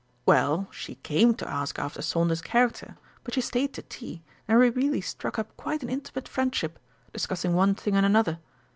"Well, she came to ask after Saunders' character, but she stayed to tea, and we really struck up quite an intimate friendship, discussing one thing and another.